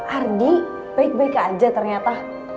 ardi baik baik aja ternyata